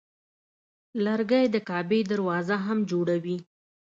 لرګی د کعبې دروازه هم جوړوي.